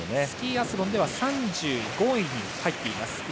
スキーアスロンでは３５位に入っています。